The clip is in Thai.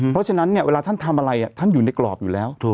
เพราะฉะนั้นเวลาท่านทำอะไรท่านอยู่ในกรอบอยู่แล้ว